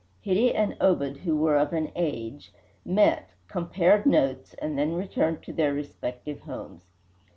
Hitty and Obed, who were of an age, met, compared notes, and then returned to their respective homes.